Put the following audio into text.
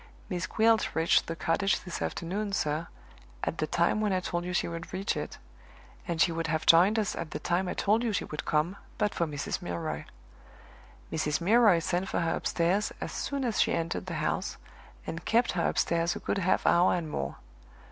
"Miss Gwilt reached the cottage this afternoon, sir, at the time when I told you she would reach it, and she would have joined us at the time I told you she would come, but for Mrs. Milroy. Mrs. Milroy sent for her upstairs as soon as she entered the house, and kept her upstairs a good half hour and more.